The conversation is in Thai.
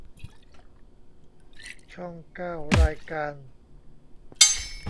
ช่องเก้า รายการ